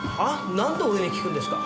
なんで俺に聞くんですか。